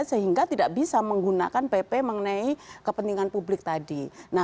sehingga tidak bisa menggunakan pp mengenai kepentingan publik tadi